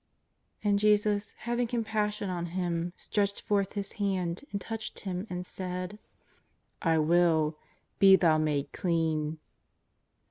And Jesus having compassion on him stretched forth His hand and touched him and said :" I will ; be thou made clean.''